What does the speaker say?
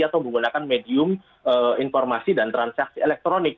atau menggunakan medium informasi dan transaksi elektronik